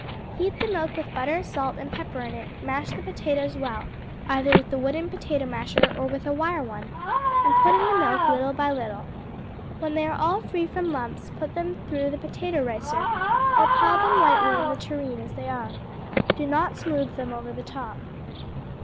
Heat the milk with the butter, salt, and pepper in it; mash the potatoes well, either with the wooden potato masher or with a wire one, and put in the milk little by little. When they are all free from lumps, put them through the potato ricer, or pile them lightly in the tureen as they are. Do not smooth them over the top.